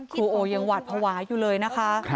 โอยังหวาดภาวะอยู่เลยนะคะ